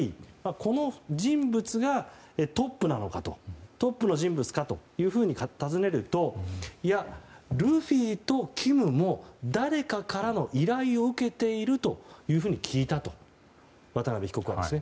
この人物がトップの人物かと尋ねるといや、ルフィとキムも誰かからの依頼を受けていると聞いたと渡邉被告は言ったんですね。